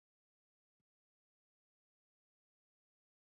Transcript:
ma ọ rịtuzịịrị Dọkịta Madụka ka o jiri aha òtù ahụ wee zọọ ọkwa ahụ